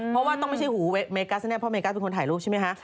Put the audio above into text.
เพราะว่าต้องไม่ใช่หูเมกัสแน่เพราะเมกัสเป็นคนถ่ายรูปใช่ไหมคะ